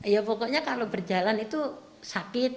ya pokoknya kalau berjalan itu sakit